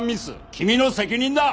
君の責任だ！